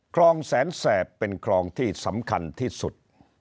คลองแสนแสบเป็นคลองที่สำคัญที่สุด